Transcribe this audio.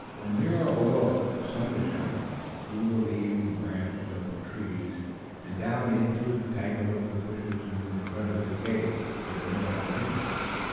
When Nero awoke the sun was shining through the leaves and branches of the trees and down in through the tangle of bushes in front of the cave where Nero had hidden.